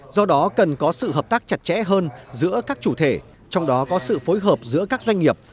do đó cần có sự hợp tác chặt chẽ hơn giữa các chủ thể trong đó có sự phối hợp giữa các doanh nghiệp